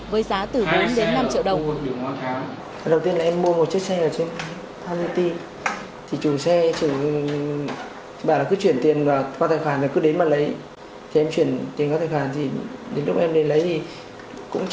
với giá từ bốn đến năm triệu đồng